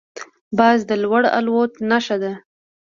باز د لوړ الوت نښه ده